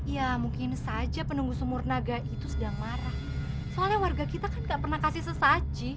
ya mungkin saja penunggu sumur naga itu sedang marah soalnya warga kita kan nggak pernah kasih sesaji